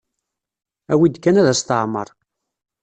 Awi-d kan ad as-teɛmer.